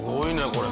これ。